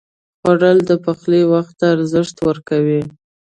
خوړل د پخلي وخت ته ارزښت ورکوي